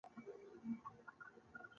مولوي صاحب د کوترو شوقي دی.